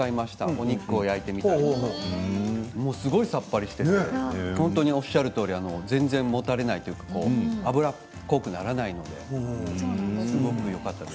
お肉を焼いてみたりとかすごいさっぱりしていて本当におっしゃるとおり全然もたれないというか油っこくならないのですごくよかったです。